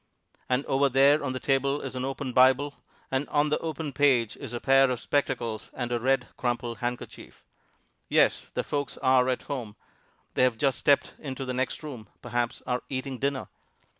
And over there on the table is an open Bible, and on the open page is a pair of spectacles and a red, crumpled handkerchief. Yes, the folks are at home: they have just stepped into the next room perhaps are eating dinner.